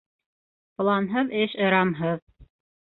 Планһыҙ эш ырамһыҙ.